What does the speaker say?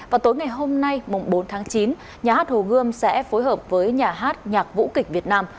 và tối ngày hôm nay bốn tháng chín nhà hát hồ gươm sẽ phối hợp với nhà hát nhạc vũ kịch việt nam